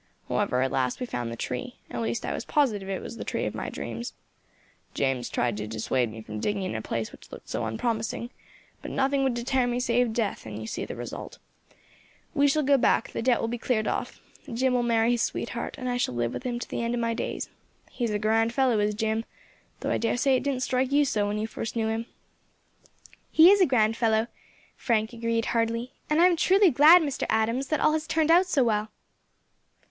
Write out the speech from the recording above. However, at last we found the tree at least I was positive it was the tree of my dreams. James tried to dissuade me from digging in a place which looked so unpromising; but nothing would deter me save death, and you see the result. We shall go back; the debt will be cleared off, Jim will marry his sweetheart, and I shall live with him to the end of my days. He is a grand fellow is Jim, though I dare say it didn't strike you so when you first knew him." "He is a grand fellow," Frank agreed heartily, "and I am truly glad, Mr. Adams, that all has turned out so well."